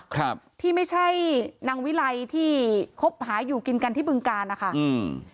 ครับที่ไม่ใช่นางวิไลที่คบหาอยู่กินกันที่บึงการนะคะอืม